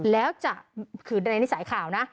แล้วจะคือในนิสัยข่าวนะ